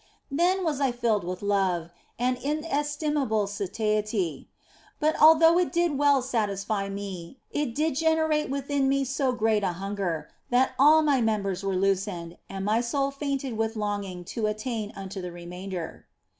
Then was I filled with love and in OF FOLIGNO 179 estimable satiety ; but although it did well satisfy me, it did generate within me so great an hunger that all my members were loosened and my soul fainted with longing to attain unto the remainder.